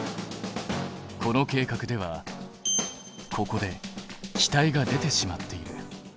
この計画ではここで気体が出てしまっている。